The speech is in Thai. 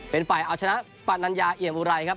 เป็นฝ่ายเอาชนะปานัญญาเอี่ยมอุไรครับ